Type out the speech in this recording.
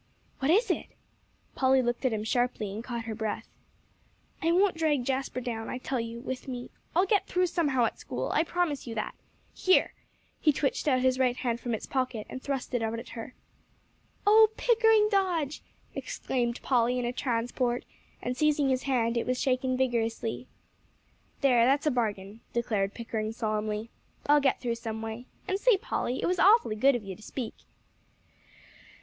"What is it?" Polly looked at him sharply, and caught her breath. "I won't drag Jasper down, I tell you, with me. I'll get through somehow at school. I promise you that. Here!" He twitched out his right hand from its pocket, and thrust it out at her. "Oh Pickering Dodge!" exclaimed Polly in a transport, and seizing his hand, it was shaken vigorously. "There, that's a bargain," declared Pickering solemnly. "I'll get through someway. And say, Polly, it was awfully good of you to speak."